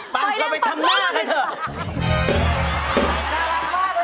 ฝ่ายน้ำมันไปทำหน้าให้เถอะ